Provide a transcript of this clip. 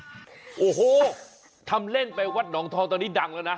โอ้โหทำเล่นไปวัดหนองทองตอนนี้ดังแล้วนะ